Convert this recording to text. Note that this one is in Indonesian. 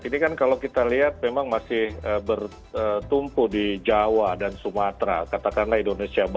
ini kan kalau kita lihat memang masih bertumpu di jawa dan sumatera katakanlah indonesia barat dibandingkan indonesia timur